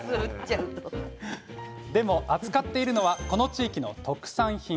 でも、扱っているのはこの地域の特産品。